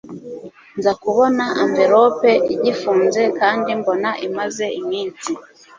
nza kubona envelope igifunze kandi mbona imaze iminsi